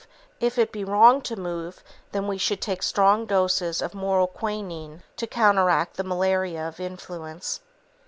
If it be wrong to move, then we should take strong doses of moral quinine to counteract the malaria of influence.